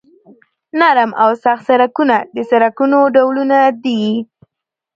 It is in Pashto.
نرم او سخت سرکونه د سرکونو ډولونه دي